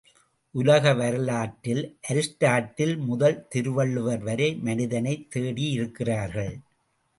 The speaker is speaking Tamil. உலக வரலாற்றில் அரிஸ்டாட்டில் முதல் திருவள்ளுவர் வரை மனிதனைத் தேடியிருக்கிறார்கள்.